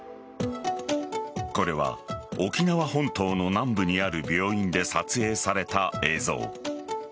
これは沖縄本島の南部にある病院で撮影された映像。